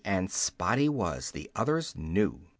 And Spotty was, the others knew.